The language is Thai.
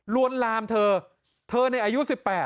วนลามเธอเธอในอายุ๑๘